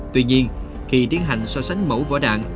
tuy nhiên khi tiến hành so sánh mẫu vỏ đạn